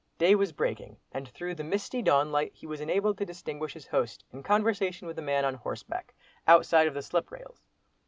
Day was breaking, and through the misty dawnlight he was enabled to distinguish his host in conversation with a man on horseback, outside of the slip rails.